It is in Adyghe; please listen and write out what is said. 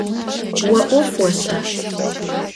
Vo 'of voş'a?